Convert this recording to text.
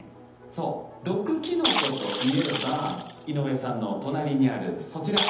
そう毒キノコといえば井上さんの隣にあるそちら。